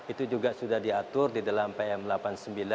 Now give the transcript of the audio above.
itu juga sudah diatur di dalam pm delapan puluh sembilan